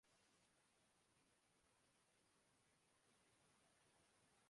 آغاز کے بعد پاکستان کے اکثر